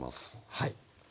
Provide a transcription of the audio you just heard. はい。